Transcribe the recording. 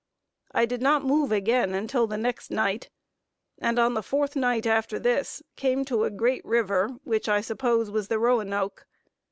I did not move again until the next night; and on the fourth night after this, came to a great river, which I suppose was the Roanoke.